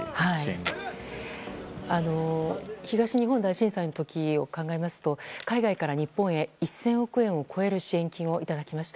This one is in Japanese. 東日本大震災の時を考えますと海外から日本へ１０００億円を超える支援金をいただきました。